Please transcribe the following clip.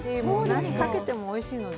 何にかけても、おいしいので。